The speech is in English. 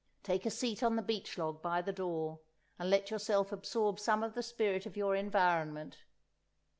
Take a seat on the beech log by the door, and let yourself absorb some of the spirit of your environment.